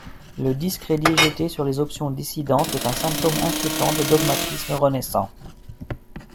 Le discrédit jeté sur les options dissidentes est un symptôme inquiétant de dogmatisme renaissant.